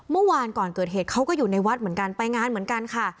เมื่อวานก่อนเกิดเหตุเขาก็อยู่ในวัดเหมือนกันไปงานเหมือนกันค่ะ